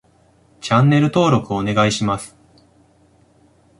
チャンネル登録お願いします